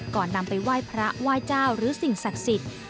นำไปไหว้พระไหว้เจ้าหรือสิ่งศักดิ์สิทธิ์